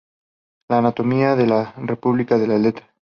La anatomía de la República de las letras".